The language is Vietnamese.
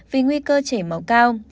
vì nguy cơ chảy máu cao